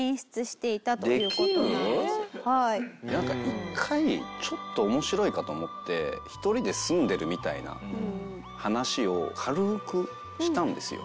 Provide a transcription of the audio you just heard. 一回ちょっと面白いかと思って一人で住んでるみたいな話を軽くしたんですよ。